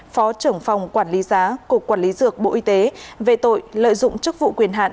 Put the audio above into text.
phó trưởng phòng quản lý giá cục quản lý dược bộ y tế về tội lợi dụng chức vụ quyền hạn